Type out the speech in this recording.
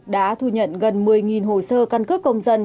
đã thu nhận gần một mươi hồ sơ căn cước công dân